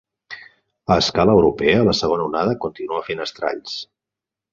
A escala europea, la segona onada continua fent estralls.